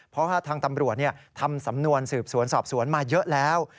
เพราะว่าทางตำรวจทำสำนวนสืบสวนสอบสวนมาเยอะแล้ว